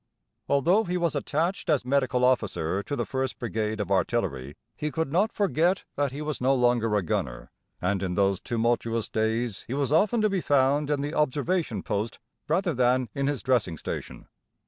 Although he was attached as Medical Officer to the 1st Brigade of Artillery, he could not forget that he was no longer a gunner, and in those tumultuous days he was often to be found in the observation post rather than in his dressing station.